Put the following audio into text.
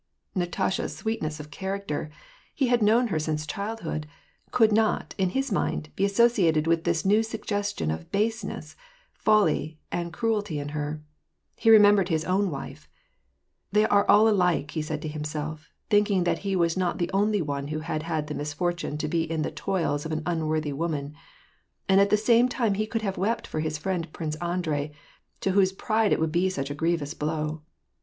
Natasha's sweetness of character — he had known her since childhood — could not, in his mind, be associated with this new suggestion of baseness, folly^ and cruelty in her. He remem ^ bered his own wife. " They are all alike," said he to himself, thinking that he was not the only one who had the misfortune to be in the toils of an unworthy woman ; and at the same time he could have wept for his friend. Prince Andrei, to whose pride it would be such a grievous blow.